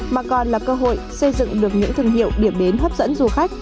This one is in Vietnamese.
mà còn là cơ hội xây dựng được những thương hiệu điểm đến hấp dẫn du khách